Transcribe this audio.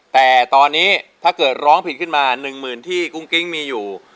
แต่ตอนนี้ถ้าเกิดร้องผิดขึ้นมา๑หมื่นที่กุ้งกิ๊งมีอยู่